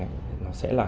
nó sẽ là cái yếu tố để